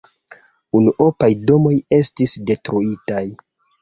Unuopaj domoj estis detruitaj.